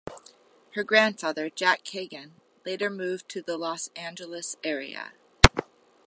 Her grandfather, Jack Kagan, later moved to the Los Angeles area.